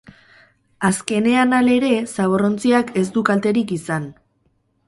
Azkenean halere, zaborrontziak ez du kalterik izan.